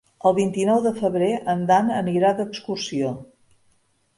El vint-i-nou de febrer en Dan anirà d'excursió.